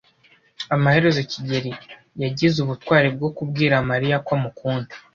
Amaherezo kigeli yagize ubutwari bwo kubwira Mariya ko amukunda.